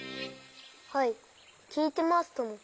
はいきいてますとも。